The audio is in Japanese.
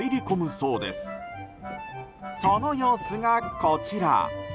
その様子がこちら。